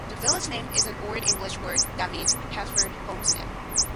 The village name is an Old English word that means 'Haefer's homestead'.